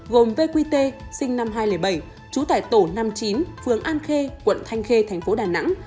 gồm vqt sinh năm hai nghìn bảy trú tại tổ năm mươi chín phường an khê quận thanh khê thành phố đà nẵng